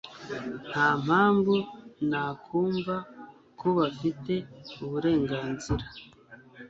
nta mpamvu nakumva ko bafite uburenganzira